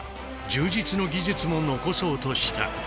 柔術の技術も残そうとした。